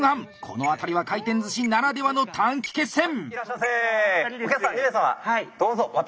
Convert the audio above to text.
この辺りは回転寿司ならではの短期決戦！